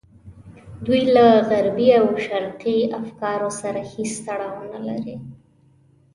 دوی له غربي او شرقي افکارو سره هېڅ تړاو نه لري.